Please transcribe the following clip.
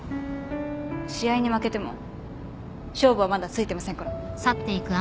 試合に負けても勝負はまだついてませんから。